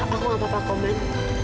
aku gak papa komen